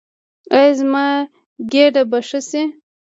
ایا زما ګیډه به ښه شي؟